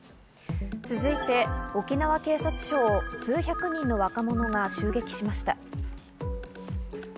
続いて沖縄警察署を数百人の若者が襲撃しました。